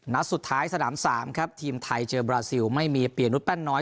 นัดสุดท้ายสนาม๓ครับทีมไทยเจอบราซิลไม่มีเปียนุษยแป้นน้อย